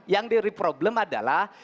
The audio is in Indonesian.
yang jadi problem adalah